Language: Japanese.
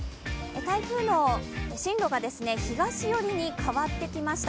台風の進路が東寄りに変わってきました。